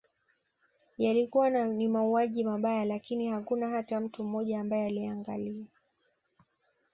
Yalikuwa ni mauaji mabaya lakini hakuna hata mtu mmoja ambaye aliangalia